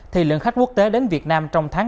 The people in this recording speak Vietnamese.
thì lượng khách quốc tế đến việt nam chẳng hạn